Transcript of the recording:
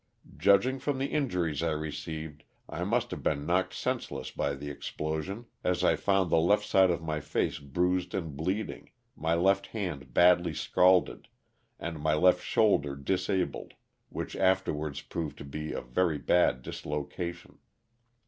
Judging from the injuries I received I must have been knocked senseless by the explosion, as I found the LOSS OF THE SULTANA. 127 left side of my face bruised and bleeding, my left hand badly scalded, and my left shoulder disabled, which afterwards proved to be a very bad dislocation.